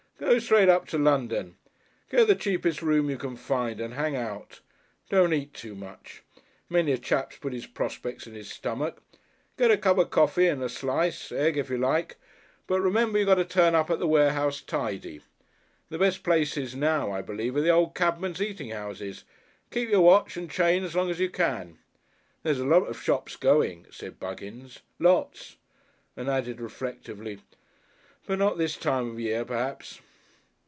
Go straight up to London, get the cheapest room you can find and hang out. Don't eat too much. Many a chap's put his prospects in his stomach. Get a cup o' coffee and a slice egg if you like but remember you got to turn up at the Warehouse tidy. The best places now, I believe, are the old cabmen's eating houses. Keep your watch and chain as long as you can.... "There's lots of shops going," said Buggins. "Lots!" And added reflectively, "But not this time of year perhaps."